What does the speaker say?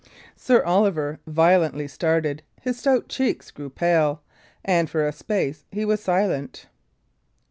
Sir Oliver violently started; his stout cheeks grew pale, and for a space he was silent.